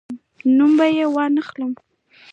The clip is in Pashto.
نوم به یې وانخلم.